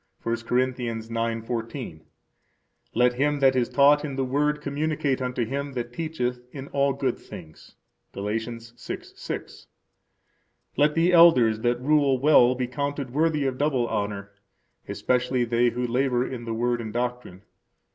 1 Cor. 9:14. Let him that is taught in the Word communicate unto him that teacheth in all good things. Gal. 6:6. Let the elders that rule well be counted worthy of double honor, especially they who labor in the Word and doctrine.